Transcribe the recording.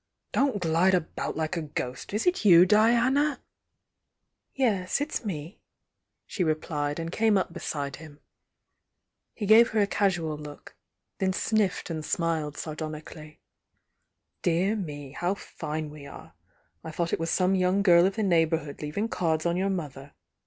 "Don't glide about like a ghost! Is it you, '"Yes,— it's me," she replied, and came up beside '"ho gave her a casual look, then sniffed and smiled sardonically. .u„,.„Kt if was "Dear me! How fine we a^e! I thought it was some young girl of the neighbourhood leavmg cards on your mother!